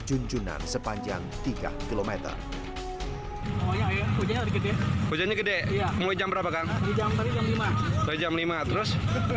junjunan sepanjang tiga kilometer hujannya gede mulai jam berapa kan jam lima jam lima terus